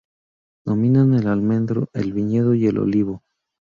Dominan el almendro, el viñedo y el olivo.